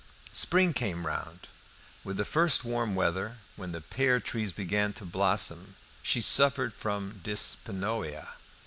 Spring came round. With the first warm weather, when the pear trees began to blossom, she suffered from dyspnoea.